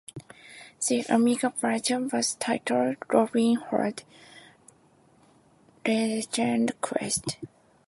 The Amiga version was titled Robin Hood: Legend Quest.